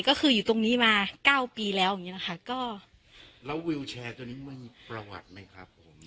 ก็คืออยู่ตรงนี้มาเก้าปีแล้วอย่างงี้นะคะก็แล้ววิวแชร์ตัวนี้มันมีประวัติไหมครับผม